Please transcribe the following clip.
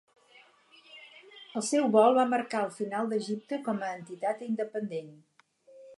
El seu vol va marcar el final d'Egipte com a entitat independent.